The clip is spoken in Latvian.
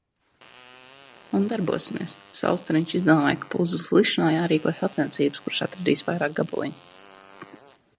Un darbosimies. Saulstariņš izdomāja, ka puzzles likšanā jārīko sacensības, kurš atradīs vairāk gabaliņu.